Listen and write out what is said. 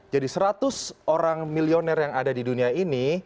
jadi seratus orang milioner yang ada di dunia ini